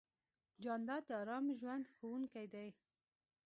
جانداد د ارام ژوند خوښوونکی دی.